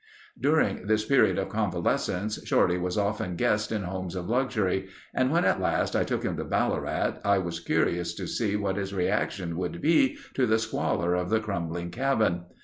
During this period of convalescence Shorty was often guest in homes of luxury and when at last I took him to Ballarat I was curious to see what his reaction would be to the squalor of the crumbling cabin.